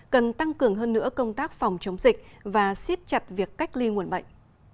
cần tăng cường hơn nữa công tác phòng chống dịch và xiết chặt việc cách ly nguồn bệnh